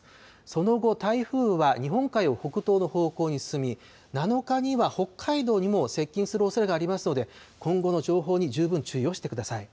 その後、台風は日本海を北東の方向に進み、７日には北海道にも接近するおそれがありますので、今後の情報に十分注意をしてください。